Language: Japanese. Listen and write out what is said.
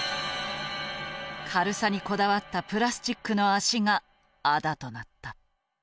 軽さにこだわったプラスチックの足があだとなった。